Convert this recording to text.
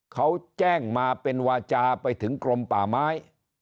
เขาแจ้งมาเป็นวาจาไปถึงกรมป่าไม้